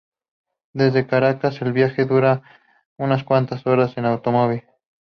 Desde Caracas, el viaje dura unas cuatro horas en automóvil.